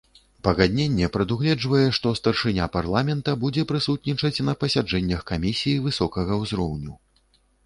Пагадненне прадугледжвае, што старшыня парламента будзе прысутнічаць на пасяджэннях камісіі высокага ўзроўню.